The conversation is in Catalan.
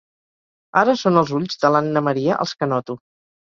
Ara són els ulls de l'Anna Maria, els que noto.